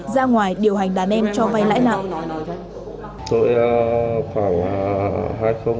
ra ngoài điều hành đàn em cho vay lãi nặng